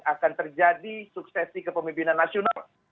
akan terjadi suksesi kepemimpinan nasional